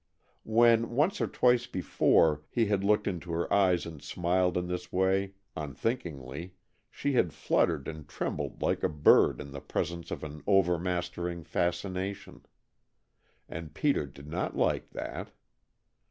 When, once or twice before, he had looked into her eyes and smiled in this way unthinkingly she had fluttered and trembled like a bird in the presence of an overmastering fascination, and Peter did not like that.